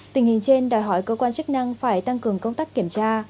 tình hình trên đòi hỏi cơ quan chức năng phải tăng cường công tác kiểm tra